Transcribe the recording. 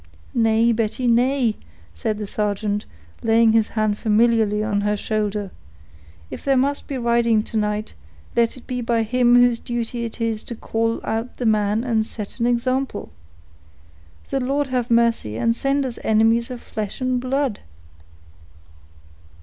"Nay, Betty, nay," said the sergeant, laying his hand familiarly on her shoulder; "if there must be riding to night, let it be by him whose duty it is to call out the men and set an example. The Lord have mercy, and send us enemies of flesh and blood!"